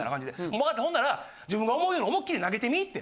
分かったほんなら自分が思うように思いっきり投げてみいって。